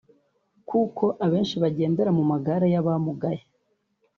kuko abenshi bagendera mu magare y’abamugaye